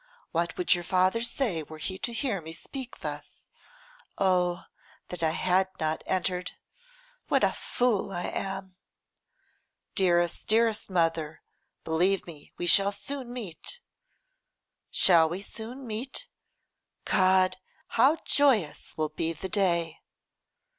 What would your father say were he to hear me speak thus? Oh! that I had not entered! What a fool I am!' 'Dearest, dearest mother, believe me we shall soon meet.' 'Shall we soon meet? God! how joyous will be the day.